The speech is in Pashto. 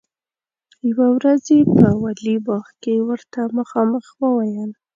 یوه ورځ یې په ولي باغ کې ورته مخامخ وویل.